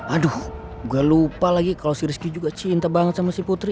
aduh gak lupa lagi kalau si rizky juga cinta banget sama si putri